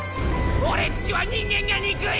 俺っちは人間が憎い！